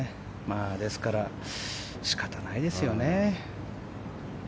ですから、仕方ないですよね。